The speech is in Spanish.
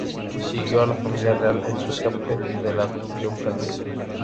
Siguió a la familia real en su escape de la ocupación francesa.